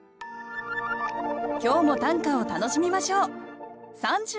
今日も短歌を楽しみましょう